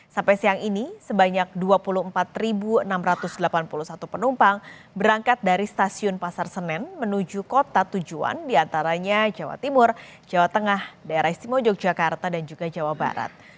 sampai siang ini sebanyak dua puluh empat enam ratus delapan puluh satu penumpang berangkat dari stasiun pasar senen menuju kota tujuan diantaranya jawa timur jawa tengah daerah istimewa yogyakarta dan juga jawa barat